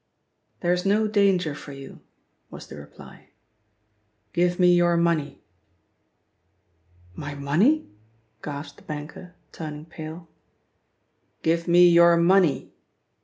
"There is no danger for you," was the reply. "Give me your money." "My money?" gasped the banker, turning pale. "Give me your money."